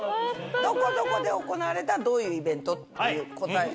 どこどこで行われたどういうイベントっていう答え？